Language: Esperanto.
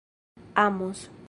amos